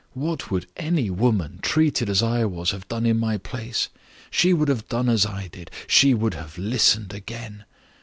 What would any woman, treated as I was, have done in my place? She would have done as I did she would have listened again.